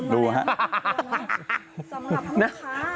ดูแล้ว